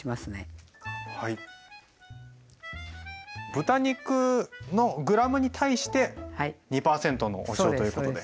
豚肉のグラムに対して２％のお塩ということで。